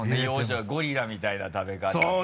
ゴリラみたいな食べ方して。